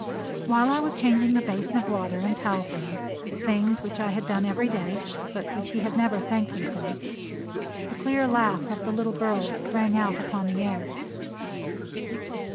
While I was changing the basin of water and towel for him, things which I had done every day, but which he had never thanked me for, the clear laugh of the little girl rang out upon the air.